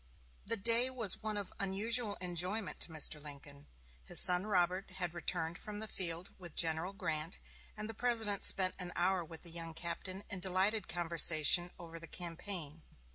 The day was one of unusual enjoyment to Mr. Lincoln. His son Robert had returned from the field with General Grant, and the President spent an hour with the young captain in delighted conversation over the campaign.